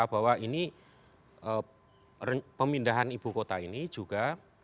bahwa ini pemindahan ibu kota ini juga